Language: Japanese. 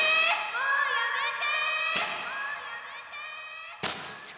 もうやめて！